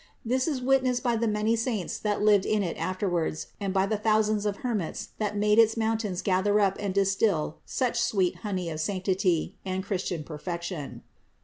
This is witnessed by the many saints that lived in it afterwards, and by the thousands of hermits that made its mountains gather up and distil such sweet honey of sanctity and Christian perfection.